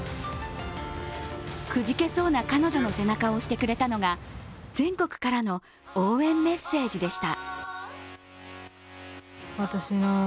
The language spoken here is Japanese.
くじけそうな彼女の背中を押してくれたのが全国からの応援メッセージでした。